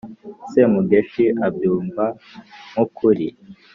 semugeshi abyumva nk' ukuri,